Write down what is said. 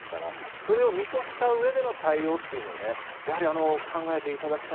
それを見越した上での対応というのを考えていただきたい。